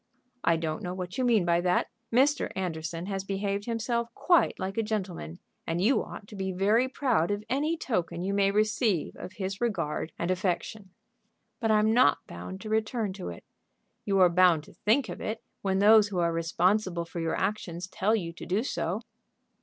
"I don't know what you mean by that. Mr. Anderson has behaved himself quite like a gentleman, and you ought to be very proud of any token you may receive of his regard and affection." "But I'm not bound to return to it." "You are bound to think of it when those who are responsible for your actions tell you to do so."